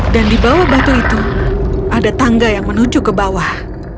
dan di bawah batu itu ada tangga yang menuju ke bawah